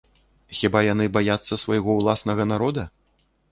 Хіба яны баяцца свайго ўласнага народа?